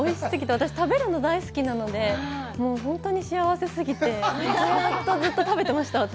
私、食べるのが大好きなので、本当に幸せ過ぎて、ずっとずっと食べてました、私。